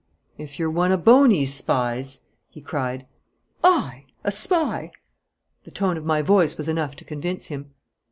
'If you're one of Boney's spies ' he cried. 'I! A spy!' The tone of my voice was enough to convince him.